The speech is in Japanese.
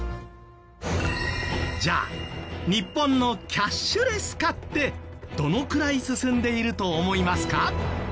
じゃあ日本のキャッシュレス化ってどのくらい進んでいると思いますか？